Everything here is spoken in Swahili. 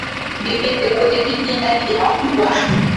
Kudhibiti idadi ya mbwa